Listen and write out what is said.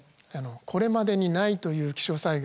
これまでにないという気象災害